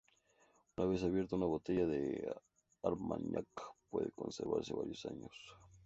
Una vez abierta, una botella de armañac puede conservarse varios años.